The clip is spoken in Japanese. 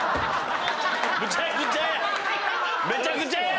むちゃくちゃや！